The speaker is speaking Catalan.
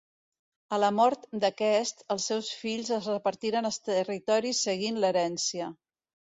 A la mort d'aquest els seus fills es repartiren els territoris seguint l'herència.